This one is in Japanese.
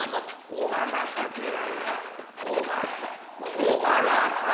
お腹立てられな。